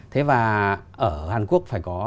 thế và ở hàn quốc phải có